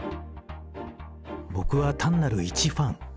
僕は単なる一ファン。